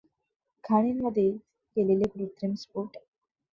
खाणींमध्ये केलेले कृत्रिम स्फोट.